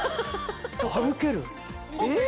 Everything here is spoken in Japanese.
歩ける。